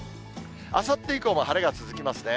あさって以降も晴れが続きますね。